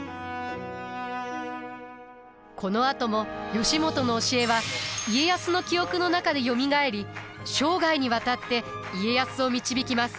このあとも義元の教えは家康の記憶の中でよみがえり生涯にわたって家康を導きます。